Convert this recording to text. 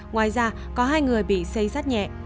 ngoài ra có hai người bị xây sát nhẹ